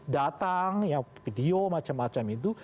datang video macam macam itu